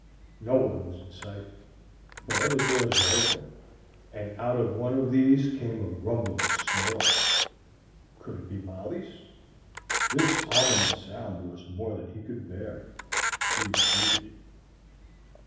No one was in sight; but other doors were open, and out of one of these came a rumbling snore. Could it be Molly's? This ominous sound was more than he could bear; he retreated.